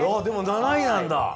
でも７位なんだ。